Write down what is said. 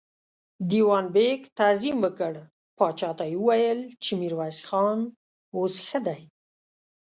دېوان بېګ تعظيم وکړ، پاچا ته يې وويل چې ميرويس خان اوس ښه دی.